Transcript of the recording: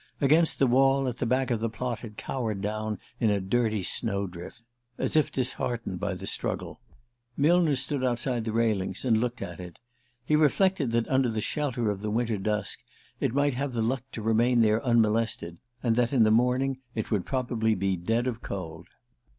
Against the wall at the back of the plot it cowered down in a dirty snow drift, as if disheartened by the struggle. Millner stood outside the railings and looked at it. He reflected that under the shelter of the winter dusk it might have the luck to remain there unmolested, and that in the morning it would probably be dead of cold.